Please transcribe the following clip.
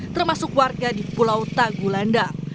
termasuk warga di pulau tagulanda